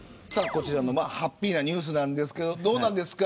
こちらのハッピーなニュースですが、どうなんですか。